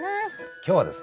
今日はですね